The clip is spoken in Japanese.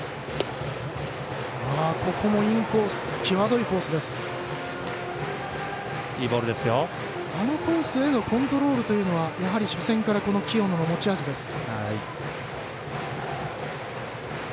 インコースのコントロールというのがやはり、初戦から清野の持ち味です。